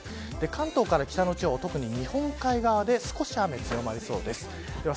関東から北の地方特に日本海で少し雨が降りそうです。